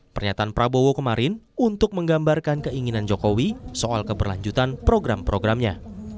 pernyataan prabowo kemarin untuk menggambarkan keinginan jokowi soal keberlanjutan program programnya